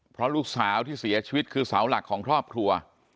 เพราะลูกสาวที่เสียชีวิตคือเสาหลักของครอบครัว